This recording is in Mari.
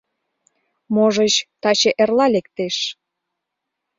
— Можыч, таче-эрла лектеш.